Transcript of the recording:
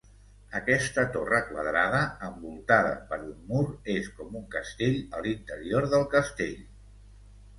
Aquesta torre quadrada, envoltada per un mur, és com un castell a l'interior del castell.